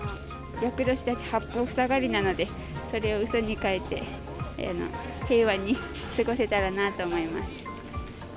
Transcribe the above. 厄年だし、八方塞がりなので、それをうそにかえて、平和に過ごせたらなと思います。